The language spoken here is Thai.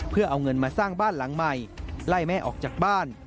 เพื่อเอาเงินมาสร้างบ้านหลังใหม่ไล่แม่ออกจากบ้าน